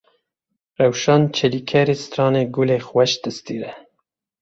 Rewşan Çelîkerê strana Gulê xweş distirê.